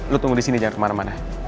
lo tunggu di sini jangan ke mana mana